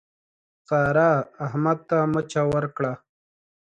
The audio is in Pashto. سارا، احمد ته مچه ورکړه.